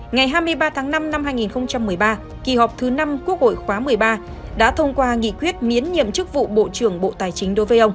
ngày hai mươi ba tháng năm năm hai nghìn một mươi ba kỳ họp thứ năm quốc hội khóa một mươi ba đã thông qua nghị quyết miễn nhiệm chức vụ bộ tài chính